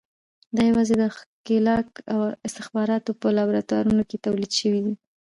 دا یوازې د ښکېلاک او استخباراتو په لابراتوارونو کې تولید شوي دي.